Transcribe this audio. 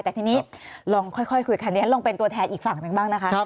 แต่ทีนี้ลองค่อยคุยขนาดนี้เราเป็นตัวแทนอีกฝั่งด้วยบ้างนะคะ